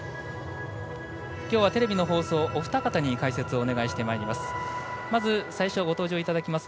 今日はテレビの放送、お二方に解説をお願いしています。